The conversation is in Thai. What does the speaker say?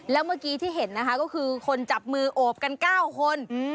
แล้วเมื่อกี้ที่เห็นนะคะก็คือคนจับมือโอบกัน๙คน